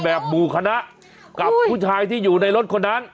หมู่คณะกับผู้ชายที่อยู่ในรถคนนั้น